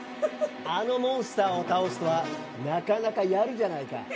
あのモンスターを倒すとはなかなかやるじゃないか。